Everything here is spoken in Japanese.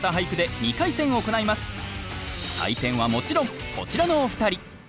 採点はもちろんこちらのお二人。